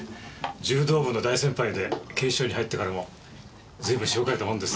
柔道部の大先輩で警視庁に入ってからも随分しごかれたもんです。